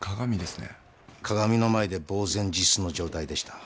鏡の前でぼう然自失の状態でした。